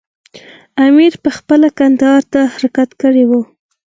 امیر پخپله کندهار ته حرکت کړی وو.